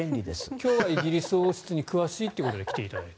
今日はイギリス王室に詳しいということで来ていただいて。